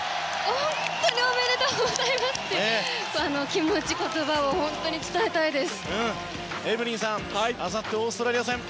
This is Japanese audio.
本当におめでとうございますっていう気持ち、言葉を伝えたいです。